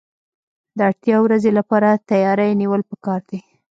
د اړتیا ورځې لپاره تیاری نیول پکار دي.